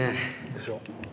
でしょ？